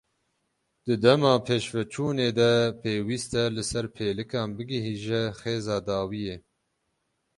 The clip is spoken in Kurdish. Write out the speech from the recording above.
Di dema pêşveçûnê de pêwîst e li ser pêlikan bigihîje xêza dawiyê.